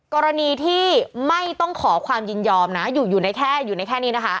กรณีที่ไม่ต้องขอความยินยอมนะอยู่ในแค่อยู่ในแค่นี้นะคะ